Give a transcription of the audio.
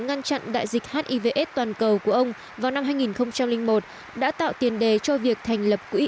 ngăn chặn đại dịch hiv aids toàn cầu của ông vào năm hai nghìn một đã tạo tiền đề cho việc thành lập quỹ